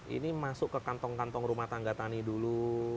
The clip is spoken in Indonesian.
ini masuk ke kantong kantong rumah tangga tani dulu